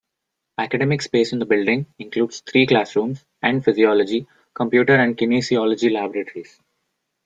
Academic space in the building includes three classrooms, and physiology, computer and kinesiology laboratories.